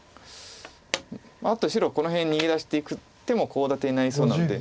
あと白はこの辺逃げ出していく手もコウ立てになりそうなので。